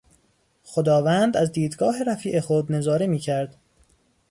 خداوند از دیدگاه رفیع خود نظاره میکرد.